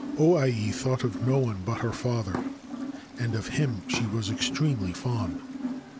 O Ai thought of no e but her father, and of him she was extremely fond.